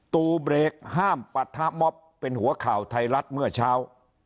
ตูเบรกห้ามปะทะม็อบเป็นหัวข่าวไทยรัฐเมื่อเช้า